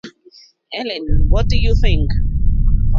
Ellen, what do you think?